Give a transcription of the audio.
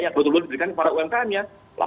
yang betul betul diberikan kepada umkm nya